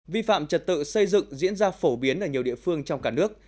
vi phạm trật tự xây dựng diễn ra phổ biến ở nhiều địa phương trong cả nước